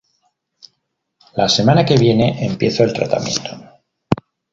La semana que viene empiezo el tratamiento".